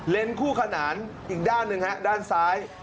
คู่ขนานอีกด้านหนึ่งฮะด้านซ้าย